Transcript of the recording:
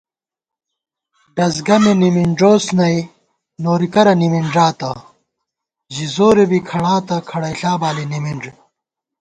ڈَز گمےنِمِنݮوس نئی، نوری کرہ نِمِنݮاتہ * ژِی زورےبی کھڑاتہ، کھڑَئیݪا بالی نِمِنݮ